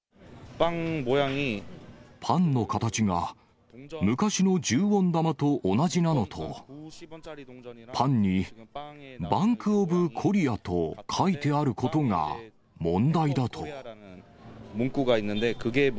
パンの形が昔の１０ウォン玉と同じなのと、パンにバンク・オブ・コリアと書いてあることが問題だと。